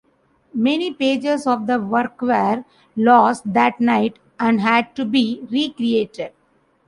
Many pages of the work were lost that night and had to be recreated.